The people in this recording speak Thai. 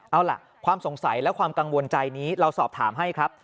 เอาล่ะความสงสัยและความกังวลใจนี้เราสอบถามให้ครับ